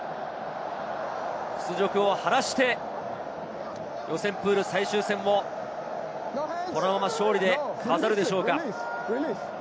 屈辱を晴らして予選プール最終戦もこのまま勝利で飾るでしょうか。